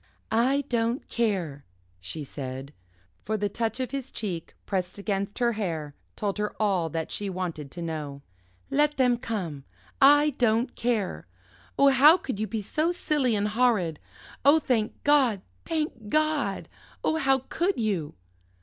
"I don't care," she said, for the touch of his cheek, pressed against her hair, told her all that she wanted to know. "Let them come, I don't care! Oh, how could you be so silly and horrid? Oh, thank God, thank God! Oh, how could you?"